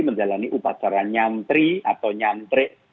menjalani upacara nyantri atau nyantrik